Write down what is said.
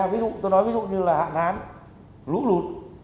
ví dụ tôi nói ví dụ như là hạn hán lũ lụt